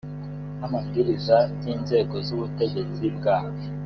n amabwiriza by inzego z ubutegetsi bwa